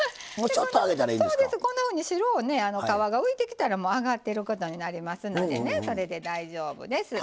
こんなふうに白く皮が浮いてきたら揚がっていることになりますのでそれで大丈夫です。